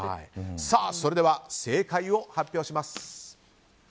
それでは正解を発表します